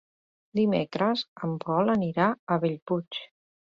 Dimecres en Pol anirà a Bellpuig.